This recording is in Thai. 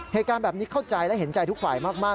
เหตุการณ์แบบนี้เข้าใจและเห็นใจทุกฝ่ายมาก